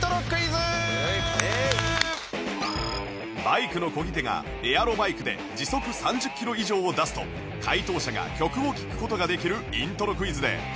バイクの漕ぎ手がエアロバイクで時速３０キロ以上を出すと解答者が曲を聴く事ができるイントロクイズで